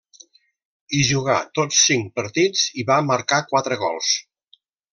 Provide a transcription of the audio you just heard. Hi jugà tots cinc partits, i va marcar quatre gols.